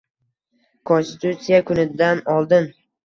Konstitutsiya kunidan oldin